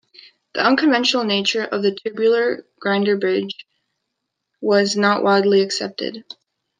The unconventional nature of the tubular girder bridge was not widely accepted.